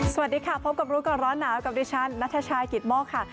สวัสดีค่ะพบกับรู้ก่อนร้อนหนาวกับดิฉันนัทชายกิตโมกค่ะ